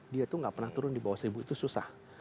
dia tuh gak pernah turun di bawah seribu itu susah